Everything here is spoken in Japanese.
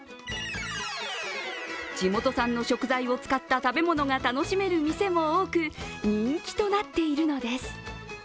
地元産の食材を使った食べ物が楽しめる店も多く人気となっているのです。